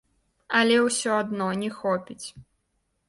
Але ўсё адно не хопіць!